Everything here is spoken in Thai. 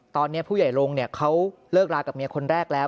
ตอนนี้ผู้ใหญ่ลงเขาเลิกรากับเมียคนแรกแล้ว